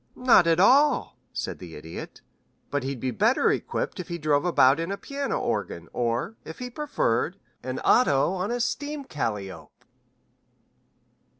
"Not at all," said the Idiot. "But he'd be better equipped if he drove about in a piano organ or, if he preferred, an auto on a steam calliope."